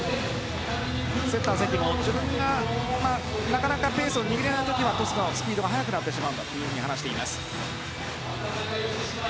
セッター、関も自分がなかなかペースを握れない時はトスのスピードが速くなってしまうと話しています。